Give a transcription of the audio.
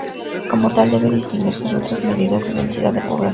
Como tal, debe distinguirse de otras medidas de densidad de población.